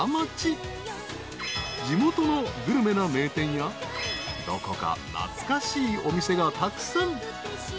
［地元のグルメな名店やどこか懐かしいお店がたくさん］